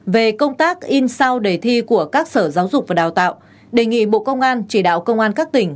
về công tác in sao đề thi của các sở giáo dục và đào tạo đề nghị bộ công an chỉ đạo công an các tỉnh